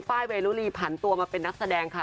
ฝ้ายเบรรูรีผ่านตัวมาเป็นนักแสดงค่ะ